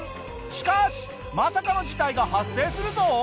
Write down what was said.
しかしまさかの事態が発生するぞ！